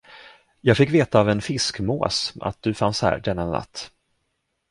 Jag fick veta av en fiskmås, att du fanns här denna natt.